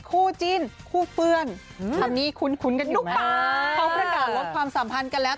คู่จิ้นคู่เพื่อนคำนี้คุ้นกันอยุ่มั้ย